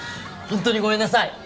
ホントにごめんなさい！